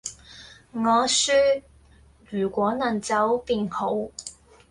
我說......如果能走便好，